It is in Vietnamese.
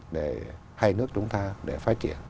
để hai nước chúng ta để phát triển